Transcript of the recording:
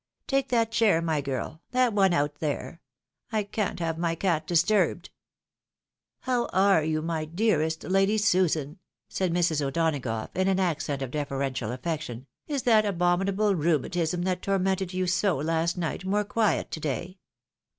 Take that chair, my girl, that one out there ; I can't have my cat disturbed." " How are you, my dearest Lady Susan ?" said Mrs. O'Donagough, in an accent of deferential afieotiou ;" is that lADY SUSAN SMOOTHED DOWN. 331 abominable rheumatism that tormented you so last night, more quiet to day